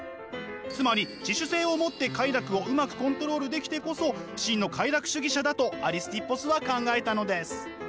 つまり自主性を持って快楽をうまくコントロールできてこそ真の快楽主義者だとアリスティッポスは考えたのです。